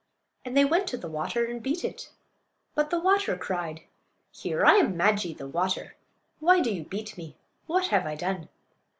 And they went to the water and beat it. But the water cried: "Here! I am Maa'jee, the water. Why do you beat me? What have I done?"